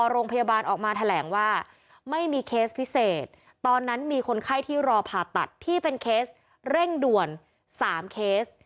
โรงพยาบาลออกมาแถลงว่าไม่มีเคสพิเศษตอนนั้นมีคนไข้ที่รอผ่าตัดที่เป็นเคสเร่งด่วน๓เคส